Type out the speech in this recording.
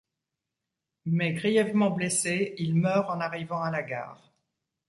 Mais, grièvement blessé, il meurt en arrivant à la gare.